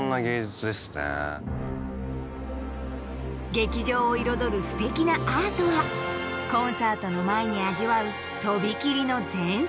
劇場を彩るすてきなアートはコンサートの前に味わうとびきりの前菜。